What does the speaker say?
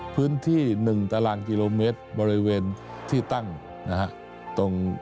พื้นที่๑ตารางกิโลเมตรบริเวณที่ตั้งนะฮะตรง